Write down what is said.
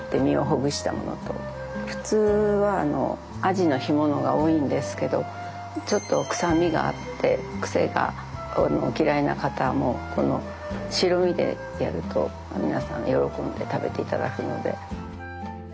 普通はアジの干物が多いんですけどちょっと臭みがあって癖がお嫌いな方もこの白身でやると皆さん喜んで食べていただくので。